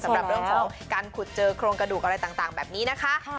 สำหรับเรื่องของการขุดเจอโครงกระดูกอะไรต่างแบบนี้นะคะ